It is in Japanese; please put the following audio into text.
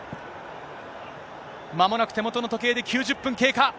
まもなく、手元の時計で９０分経過。